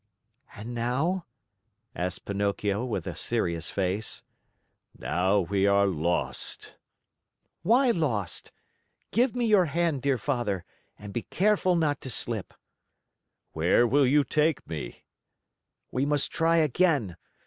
"And now?" asked Pinocchio with a serious face. "Now we are lost." "Why lost? Give me your hand, dear Father, and be careful not to slip!" "Where will you take me?" "We must try again.